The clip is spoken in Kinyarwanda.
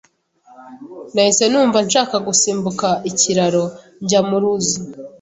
Nahise numva nshaka gusimbuka ikiraro njya mu ruzi.